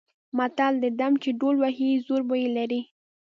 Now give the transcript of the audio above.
متل دی: ډم چې ډول وهي زور به یې لري.